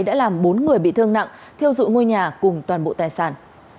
đã làm bốn người bị thương nặng thiêu dụi ngôi nhà cùng toàn bộ tài sản